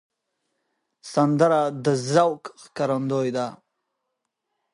سندره د ذوق ښکارندوی ده